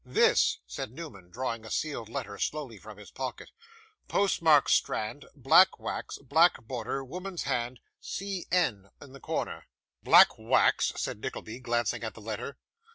'This,' said Newman, drawing a sealed letter slowly from his pocket. 'Post mark, Strand, black wax, black border, woman's hand, C. N. in the corner.' 'Black wax?' said Mr. Nickleby, glancing at the letter.